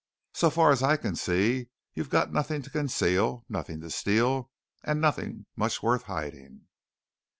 So far as I can see it, you've got nothing to conceal, nothing to steal, and nothing much worth hiding."